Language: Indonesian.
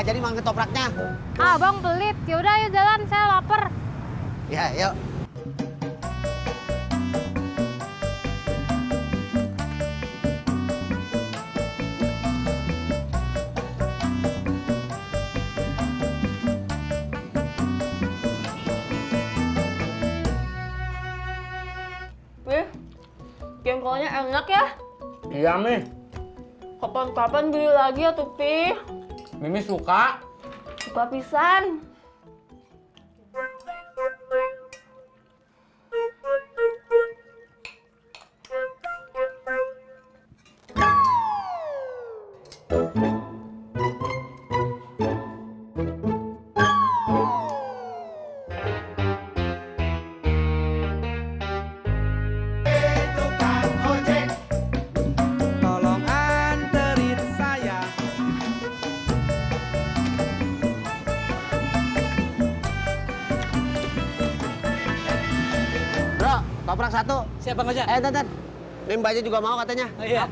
sampai jumpa di video selanjutnya